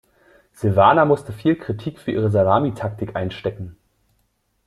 Silvana musste viel Kritik für ihre Salamitaktik einstecken.